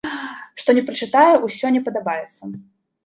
Што ні прачытаю, усё не падабаецца.